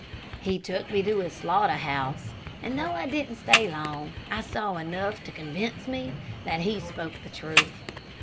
"He took me to his slaughter house, and though I didn't stay long, I saw enough to convince me that he spoke the truth.